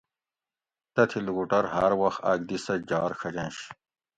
تتھی لوکوٹور ھار وخت آک دی سہ جار ڛجںش